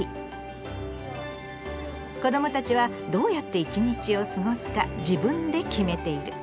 子どもたちはどうやって一日を過ごすか自分で決めている。